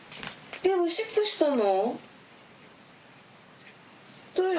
えっ、おしっこしたの？